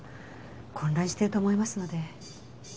混乱してると思いますので。